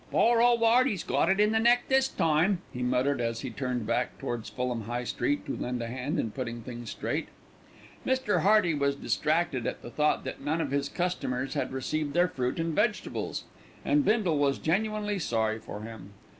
"Poor ole 'Earty's got it in the neck this time," he muttered as he turned back towards Fulham High Street to lend a hand in putting things straight. Mr. Hearty was distracted at the thought that none of his customers had received their fruit and vegetables, and Bindle was genuinely sorry for him.